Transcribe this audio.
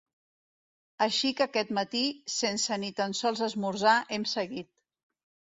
Així que aquest matí, sense ni tan sols esmorzar, hem seguit.